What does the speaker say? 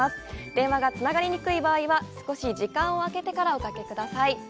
電話がつながりにくい場合は少し時間をあけておかけください。